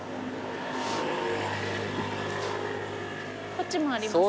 こっちもありますね。